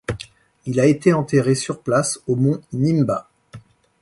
Il a été enterré sur place au Mont Nimba.